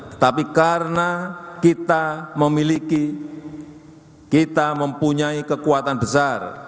tetapi karena kita memiliki kita mempunyai kekuatan besar